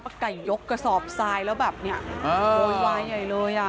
ก่ายยกกระสอบซ้ายแล้วแบบนี้โพรวายใหญ่เลย